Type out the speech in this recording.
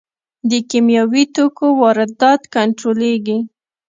د کیمیاوي توکو واردات کنټرولیږي؟